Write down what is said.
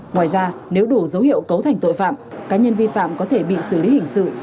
ngoài ra nếu đủ dấu hiệu cấu thành tội phạm cá nhân vi phạm có thể bị xử lý hình sự